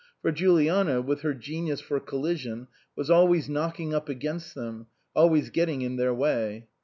For Juliana, with her genius for collision, was always knock ing up against them, always getting in their way.